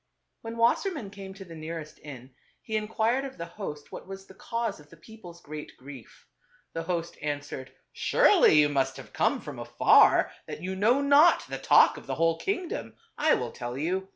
When Wassermann came to the nearest inn, he inquired of the host what was the cause of the people's great grief. The host answered, " Surely you must have come from afar, that you know not the talk of the whole kingdom. I will tell you.